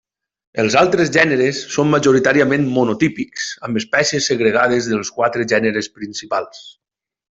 Els altres gèneres són majoritàriament monotípics, amb espècies segregades dels quatre gèneres principals.